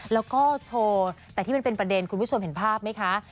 แล้วก็โชว์แต่ที่มันเป็นประเด็นคุณผู้ชมเห็นภาพไหมคะ